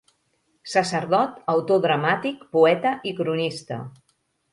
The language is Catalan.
Sacerdot, autor dramàtic, poeta i cronista.